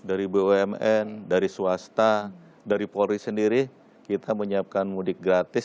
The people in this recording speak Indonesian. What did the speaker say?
dari bumn dari swasta dari polri sendiri kita menyiapkan mudik gratis